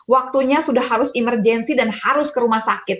waktunya sudah harus emergensi dan harus ke rumah sakit